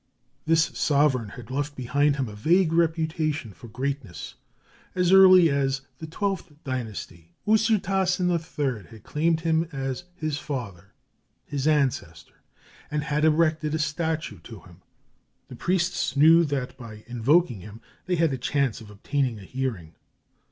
This sovereign had left behind him a vague reputation for greatness. As early as the XII dynasty Usirtasen III had claimed him as "his father" his ancestor and had erected a statue to him; the priests knew that, by invoking him, they had a chance of obtaining a hearing.